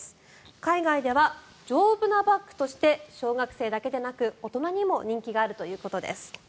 海外では丈夫なバッグとして小学生だけでなく大人にも人気があるということです。